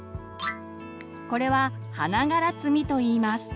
これは「花がらつみ」といいます。